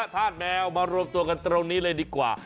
ธาตุแมวมารวมตัวกันตรงนี้เลยดีกว่า